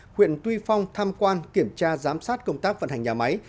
huyện tuy phong tham quan kiểm tra giám sát công tác vận hành nhà máy